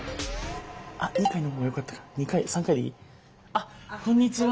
あっこんにちは。